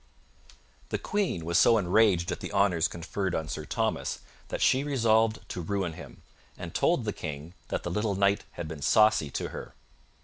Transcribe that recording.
The Queen was so enraged at the honors conferred on Sir Thomas that she resolved to ruin him, and told the King that the little knight had been saucy to her.